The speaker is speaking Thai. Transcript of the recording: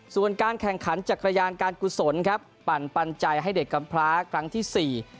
ส่วนการแข่งขันจักรยานการกุศลครับปั่นปันใจให้เด็กกำพลาครั้งที่สี่